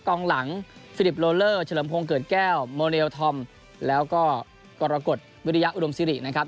กองหลังฟิลิปโลเลอร์เฉลิมพงศ์เกิดแก้วโมเลลธอมแล้วก็กรกฎวิริยะอุดมซิรินะครับ